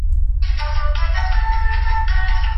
وروسته يې ګل